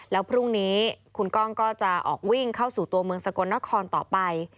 แล้วพรุ่งนี้คุณกล้องก็จะออกวิ่งเข้าสู่ตัวเมืองสกลนครต่อไป